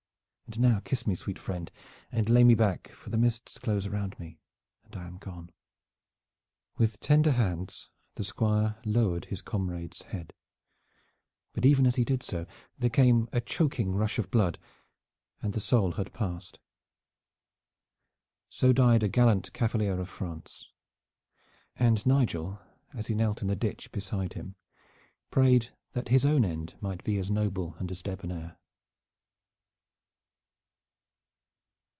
And now kiss me, sweet friend, and lay me back, for the mists close round me and I am gone!" With tender hands the Squire lowered his comrade's head, but even as he did so there came a choking rush of blood, and the soul had passed. So died a gallant cavalier of France, and Nigel as he knelt in the ditch beside him prayed that his own end might be as noble and as debonair.